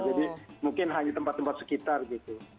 jadi mungkin hanya tempat tempat sekitar gitu